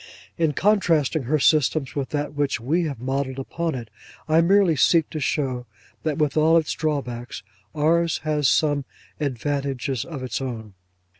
In contrasting her system with that which we have modelled upon it, I merely seek to show that with all its drawbacks, ours has some advantages of its own.